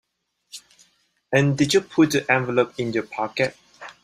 And did you put the envelope in your pocket?